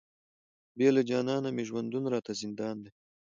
بې له جانانه مي ژوندون راته زندان دی،